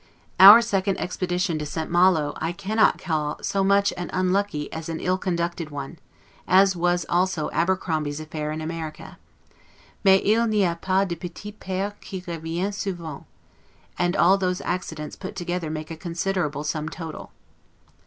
Our second expedition to St. Malo I cannot call so much an unlucky, as an ill conducted one; as was also Abercrombie's affair in America. 'Mais il n'y a pas de petite perte qui revient souvent': and all these accidents put together make a considerable sum total.